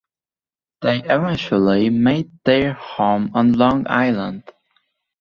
They eventually made their home on Long Island.